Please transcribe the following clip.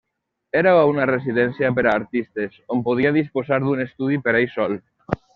Era una residència per a artistes, on podia disposar d'un estudi per ell sol.